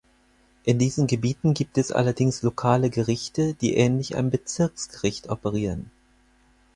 In diesen Gebieten gibt es allerdings lokale Gerichte, die ähnlich einem Bezirksgericht operieren.